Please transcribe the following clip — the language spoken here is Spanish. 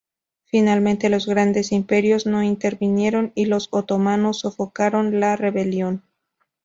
Finalmente, los grandes imperios no intervinieron y los otomanos sofocaron la rebelión.